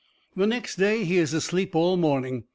The next day he is asleep all morning.